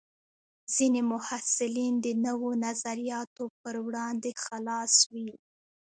ځینې محصلین د نوو نظریاتو پر وړاندې خلاص وي.